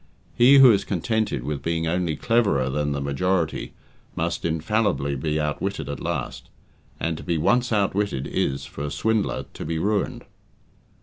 He who is contented with being only cleverer than the majority must infallibly be outwitted at last, and to be once outwitted is for a swindler to be ruined.